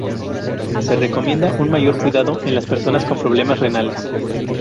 Se recomienda un mayor cuidado en las personas con problemas renales.